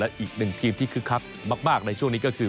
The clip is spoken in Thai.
อีกหนึ่งทีมที่คึกคักมากในช่วงนี้ก็คือ